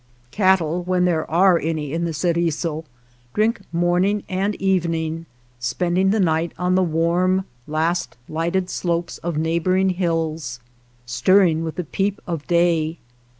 Cattle, when there are any in the Ceriso, drink morning and evening, spending the night on the warm last lighted slopes of neighboring hills, stirring with the peep o' day.